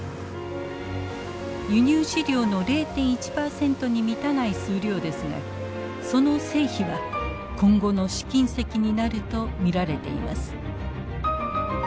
輸入飼料の０．１％に満たない数量ですがその成否は今後の試金石になると見られています。